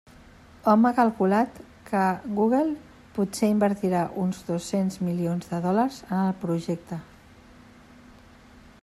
Hom ha calculat que Google potser invertirà uns dos-cents milions de dòlars en el projecte.